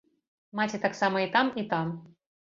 Маці таксама і там, і там.